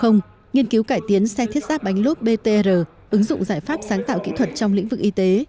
nghiên cứu cải tiến xe thiết giáp bánh lốp btr ứng dụng giải pháp sáng tạo kỹ thuật trong lĩnh vực y tế